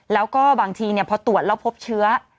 แล้วก็บางทีพอตรวจแล้วพบเชื้อ